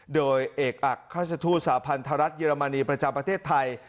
โดยเอกอักฆาตสถุสาพันธารัฐเยอรมนีประเทศไทย